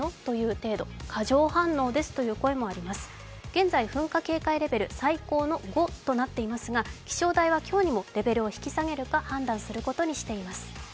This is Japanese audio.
現在噴火警戒レベル、最高の５となっていますが、気象台は今日にもレベルを引き下げるか判断することにしています。